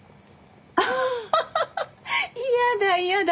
アハハハ嫌だ嫌だ。